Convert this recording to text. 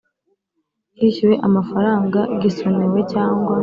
Hishyuwe amafaranga gisonewe cyangwa